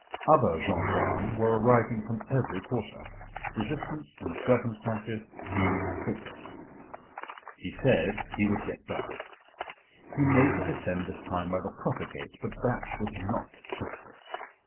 Other gendarmes were arriving from every quarter: resistance in the circumstances seemed hopeless. He said he would get down. He made to descend this time by the proper gate, but that was not justice.